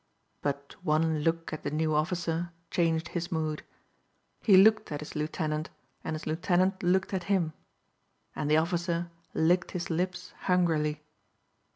But one look at the new officer changed his mood. He looked at his lieutenant and his lieutenant looked at him. And the officer licked his lips hungrily.